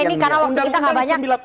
oke ini karena waktu kita nggak banyak